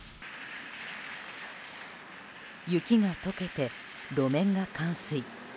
雪が解けて、路面が冠水。